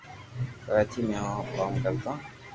ڪراچي مي ھون ڪوم ڪرتو